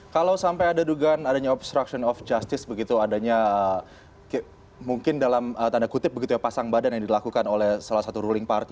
kalau sampai ada dugaan adanya obstruction of justice begitu adanya mungkin dalam tanda kutip begitu ya pasang badan yang dilakukan oleh salah satu ruling party